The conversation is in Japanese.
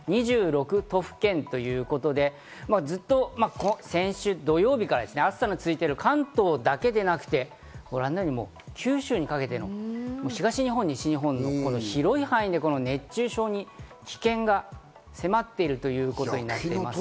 ２６都府県ということで、先週土曜日から暑さが続いている関東だけでなくて、ご覧のように九州にかけて東日本、西日本、広い範囲で熱中症の危険が迫っているということになります。